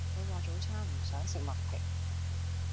佢話早餐唔想食麥皮